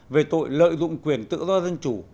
về tội lợi dụng quyền tự do dân chủ